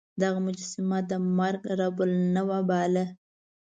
دغه مجسمه د مرګ رب النوع باله.